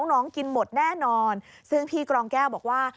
น้องกินหมดแน่นอนซึ่งพี่กรองแก้วบอกว่า